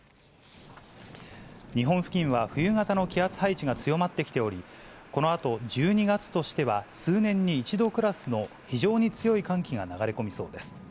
日本付近は冬型の気圧配置が強まってきており、このあと、１２月としては数年に一度クラスの非常に強い寒気が流れ込みそうです。